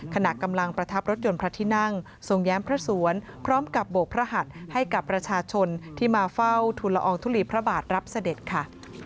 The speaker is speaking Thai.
ขณะกำลังประทับรถยนต์พระที่นั่งทรงแย้มพระสวนพร้อมกับโบกพระหัสให้กับประชาชนที่มาเฝ้าทุนละอองทุลีพระบาทรับเสด็จค่ะ